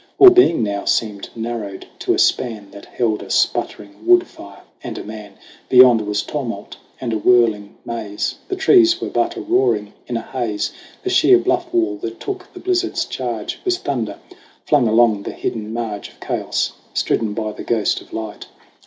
All being now seemed narrowed to a span That held a sputtering wood fire and a man ; Beyond was tumult and a whirling maze. The trees were but a roaring in a haze; The sheer bluff wall that took the blizzard's charge Was thunder flung along the hidden marge Of chaos, stridden by the ghost of light.